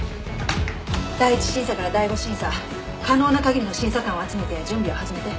第一審査から第五審査可能な限りの審査官を集めて準備を始めて。